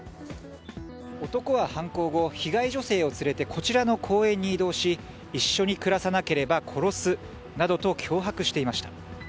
男は犯行後、被害女性を連れてこちらの公園に移動し一緒に暮らさなければ殺すなどと脅迫していました。